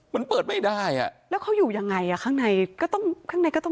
มันเปิดไม่ได้อ่ะแล้วเขาอยู่ยังไงอ่ะข้างในก็ต้อง